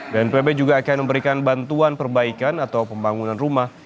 bnpb juga akan memberikan bantuan perbaikan atau pembangunan rumah